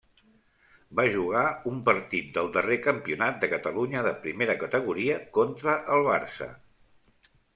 Va jugar un partit del darrer Campionat de Catalunya de Primera categoria contra el Barça.